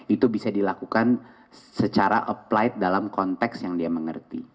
itu bisa dilakukan secara apply dalam konteks yang dia mengerti